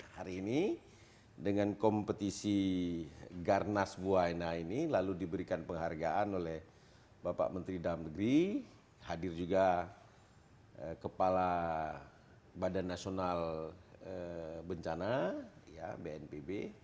hari ini dengan kompetisi garnas buwaina ini lalu diberikan penghargaan oleh bapak menteri dalam negeri hadir juga kepala badan nasional bencana bnpb